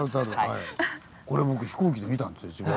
これ僕飛行機で見たんですよ。